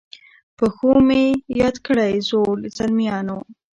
په ښو مي یاد کړی زړو، زلمیانو